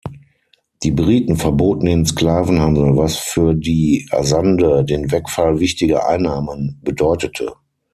Die Briten verboten den Sklavenhandel, was für die Azande den Wegfall wichtiger Einnahmen bedeutete.